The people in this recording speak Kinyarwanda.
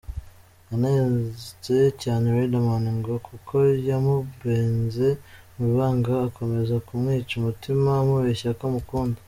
Yanenze cyane Riderman ngo kuko yamubenze mu ibanga akomeza kumwica umutima amubeshya ko amukunda.